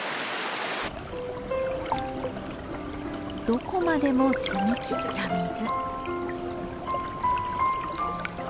どこまでも澄み切った水。